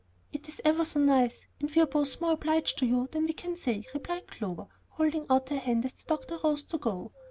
"It's ever so nice; and we are both more obliged to you than we can say," replied Clover, holding out her hand as the doctor rose to go.